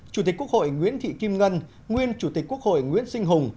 chủ tịch quốc hội nguyễn thị kim ngân nguyên chủ tịch quốc hội nguyễn sinh hùng